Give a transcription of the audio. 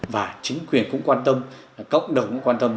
và chính quyền cũng quan tâm cộng đồng cũng quan tâm